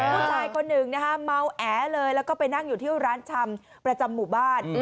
ผู้ชายคนหนึ่งนะคะเมาแอเลยแล้วก็ไปนั่งอยู่ที่ร้านชำประจำหมู่บ้าน